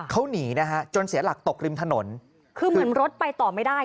เขาหนีนะฮะจนเสียหลักตกริมถนนคือเหมือนรถไปต่อไม่ได้